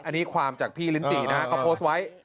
อันนี้ความจากพี่ลิ้นจีนะฮะเขาโพสต์ไว้